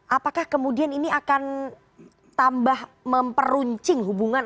apakah kemudian ini akan tambah memperuncing hubungan